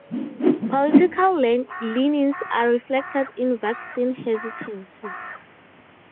Political leanings are reflected in vaccine hesitancy.